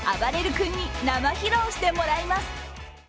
君に生披露してもらいます。